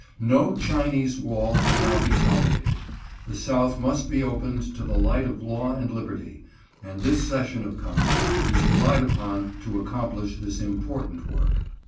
No Chinese wall can now be tolerated. The South must be opened to the light of law and liberty, and this session of Congress is relied upon to accomplish this important work.